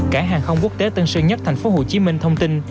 cả hàng không quốc tế tân sương nhất thành phố hồ chí minh thông tin